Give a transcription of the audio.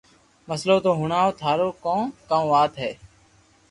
مسلو تو ھڻاو ٿارو ڪو ڪاو وات ھي